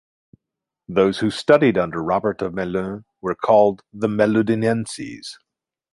Those who studied under Robert of Melun were called the "Meludinenses".